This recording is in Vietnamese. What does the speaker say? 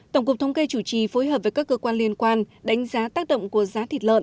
tổng cục thống kê chủ trì phối hợp với các cơ quan liên quan đánh giá tác động của giá thịt lợn